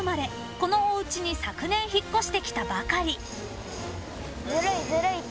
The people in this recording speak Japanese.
［このおうちに昨年引っ越してきたばかり］